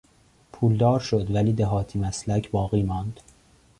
پولدار شد ولی دهاتی مسلک باقی ماند.